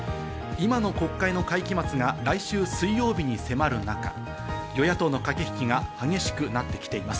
今の国会の会期末が来週水曜日に迫る中、与野党の駆け引きが激しくなってきています。